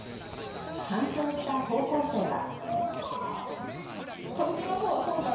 鑑賞した高校生は。